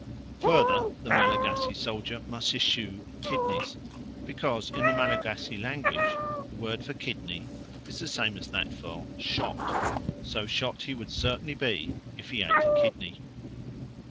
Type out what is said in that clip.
Further, the Malagasy soldier must eschew kidneys, because in the Malagasy language the word for kidney is the same as that for "shot"; so shot he would certainly be if he ate a kidney.